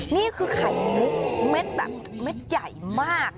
นี่คือไข่มุกเม็ดแบบเม็ดใหญ่มาก